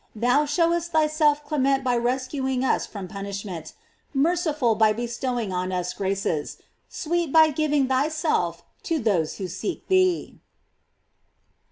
Thou ehowest thyself clement by rescuing us from punishment, merciful by bestowing on us graces, sweet by giving thyself to those who seek thee.